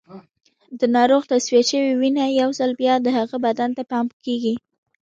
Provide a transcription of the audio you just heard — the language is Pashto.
د ناروغ تصفیه شوې وینه یو ځل بیا د هغه بدن ته پمپ کېږي.